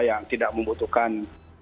yang tidak membutuhkan